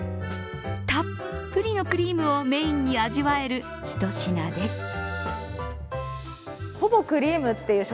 たっぷりのクリームをメーンに味わえる一品です。